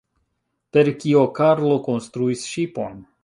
Per kio Karlo konstruis ŝipon?